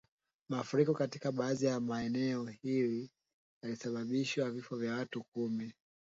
Mafuriko katika baadhi ya maeneo Hii yalisababisha vifo vya watu kumi